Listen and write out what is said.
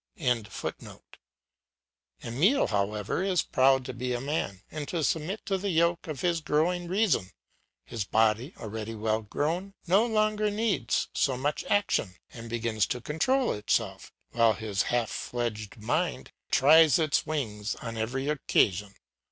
] Emile, however, is proud to be a man, and to submit to the yoke of his growing reason; his body, already well grown, no longer needs so much action, and begins to control itself, while his half fledged mind tries its wings on every occasion.